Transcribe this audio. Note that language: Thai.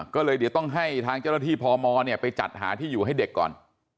ก็เลยเดี๋ยวต้องให้ทางเจ้าหน้าที่พมไปจัดหาที่อยู่ให้เด็กก่อน